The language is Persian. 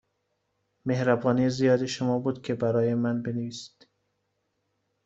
مهربانی زیاد شما بود که برای من بنویسید.